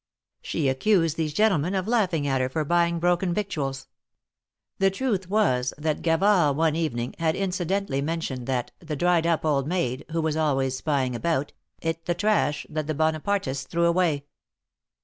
She accused these gentlemen of laughing at her for buying broken victuals. The truth was that Gavard one evening had incidentally mentioned that the dried up old maid, who was always spying about, eat the trash that the Bonapartists threw away.